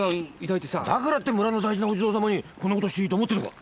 だからって村の大事なお地蔵様にこんなことしていいと思ってるのか？